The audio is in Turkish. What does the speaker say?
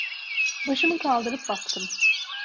Başımı kaldırıp baktım.